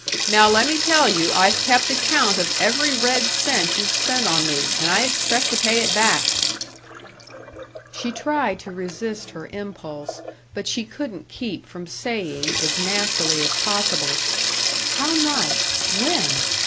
Now let me tell you I've kept account of every red cent you've spent on me, and I expect to pay it back." She tried to resist her impulse, but she couldn't keep from saying, as nastily as possible: "How nice. When?"